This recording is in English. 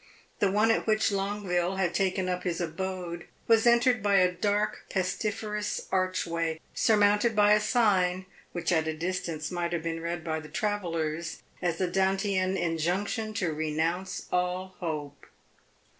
The one at which Longueville had taken up his abode was entered by a dark, pestiferous arch way, surmounted by a sign which at a distance might have been read by the travellers as the Dantean injunction to renounce all hope.